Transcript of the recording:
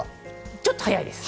ちょっと早いです。